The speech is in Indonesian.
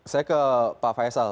saya ke pak faisal